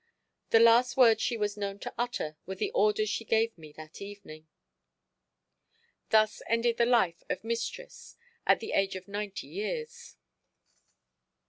The last words she was known to utter were the orders she gave me that evening. Thus ended the life of mistress at the age of ninety years.